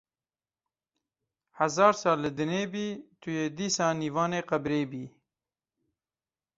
Hezar sal li dinê bî tu yê dîsa nîvanê qebrê bî